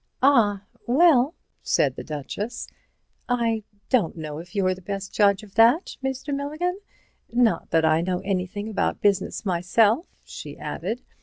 "Ah, well," said the Duchess, "I don't know if you're the best judge of that, Mr. Milligan. Not that I know anything about business myself," she added.